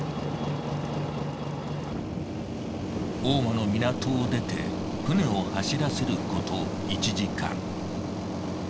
大間の港を出て船を走らせること１時間。